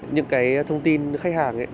những cái thông tin khách hàng ấy